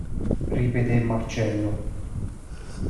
Ripetè Marcello.